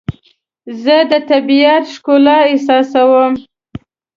زه د طبیعت ښکلا احساسوم.